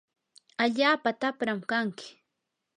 allaapa tapram kanki.